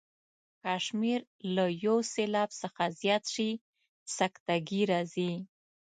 که شمېر له یو سېلاب څخه زیات شي سکته ګي راځي.